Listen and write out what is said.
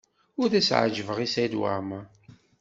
Ur as-ɛejjbeɣ i Saɛid Waɛmaṛ.